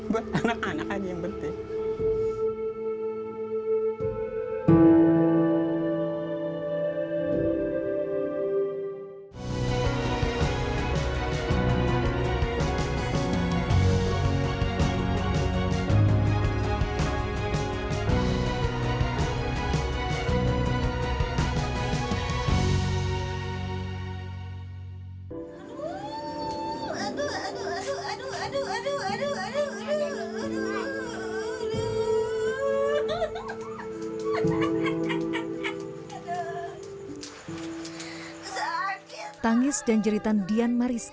buat anak anak aja yang penting